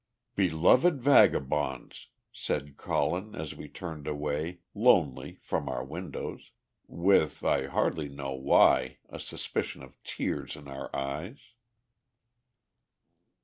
"'Beloved Vagabonds!'" said Colin, as we turned away, lonely, from our windows, with, I hardly know why, a suspicion of tears in our eyes.